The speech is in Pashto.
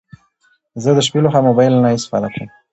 زه د شپې لخوا موبايل نه استفاده کوم